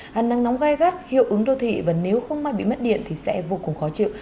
hẳn nắng nóng gai gắt hiệu ứng đô thị và nếu không may bị mất điện thì sẽ vô cùng khó chịu